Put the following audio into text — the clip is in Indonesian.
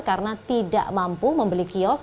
karena tidak mampu membeli kios